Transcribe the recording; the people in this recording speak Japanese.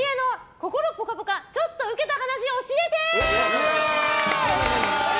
心ぽかぽかちょっとウケた話教えて！